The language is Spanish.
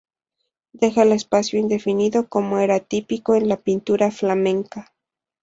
Deja el espacio indefinido como era típico en la pintura flamenca.